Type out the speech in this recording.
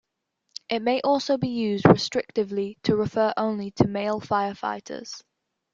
It may also be used restrictively to refer only to male firefighters.